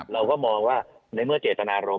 เราก็มองว่าในเมื่อเจตนารมณ